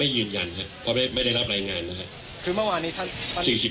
ไม่ยืนยันครับเพราะไม่ได้รับรายงานนะครับ